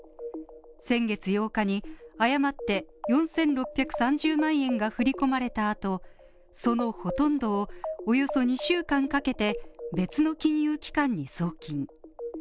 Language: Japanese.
先月８日に誤って４６３０万円が振り込まれた後そのほとんどをおよそ２週間かけて別の金融機関に送金。